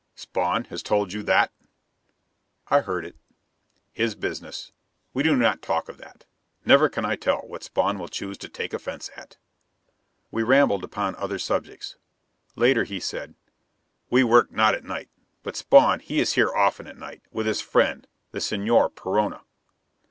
"Spawn has told you that?" "I heard it." "His business. We do not talk of that. Never can I tell what Spawn will choose to take offense at." We rambled upon other subjects. Later, he said, "We work not at night. But Spawn, he is here often at night, with his friend, the Señor Perona."